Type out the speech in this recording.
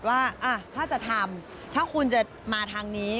ว่าถ้าจะทำถ้าคุณจะมาทางนี้